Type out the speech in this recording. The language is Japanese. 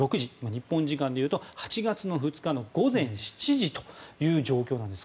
日本時間でいうと８月２日の午前７時という状況です。